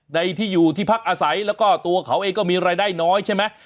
ในที่อยู่ที่พักอาศัยแล้วก็ตัวเขาเองก็มีรายได้น้อยใช่ไหม